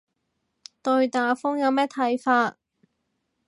對打風有咩睇法